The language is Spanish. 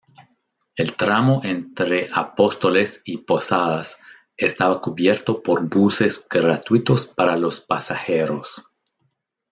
El tramo entre Apóstoles y Posadas estaba cubierto por buses gratuitos para los pasajeros.